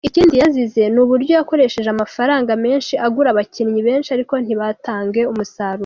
Ikindi yazize, ni uburyo yakoresheje amafaranga menshi agura abakinnyi benshi ariko ntibatange umusaruro.